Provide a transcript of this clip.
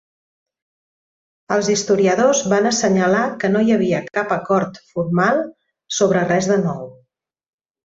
Els historiadors van assenyalar que no hi havia cap acord formal sobre res de nou.